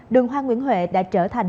đường hoa nguyễn huệ đã trở thành